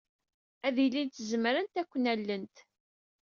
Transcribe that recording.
Ad ilint zemrent ad ken-allent.